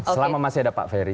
selama masih ada pak ferry